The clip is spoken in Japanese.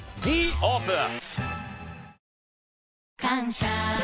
Ｄオープン！